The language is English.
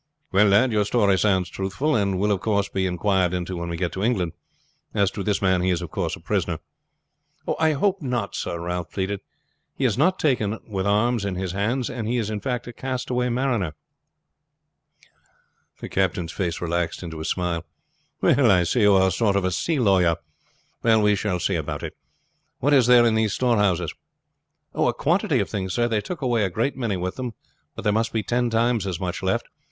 "Well, lad, your story sounds truthful, and will, of course, be inquired into when we get to England. As to this man, he is of course a prisoner." "I hope not, sir," Ralph pleaded. "He has not been taken with arms in his hands, and is, in fact, a castaway mariner." The captain's face relaxed into a smile. "I see you are a sort of sea lawyer. Well, we shall see about it. What is there in these storehouses?" "A quantity of things, sir. They took away a great many with them, but there must be ten times as much left.